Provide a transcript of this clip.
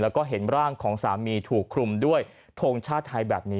แล้วก็เห็นร่างของสามีถูกคลุมด้วยทงชาติไทยแบบนี้